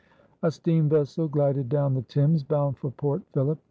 A steam vessel glided down the Thames bound for Port Phillip.